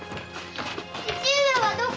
父上はどこ？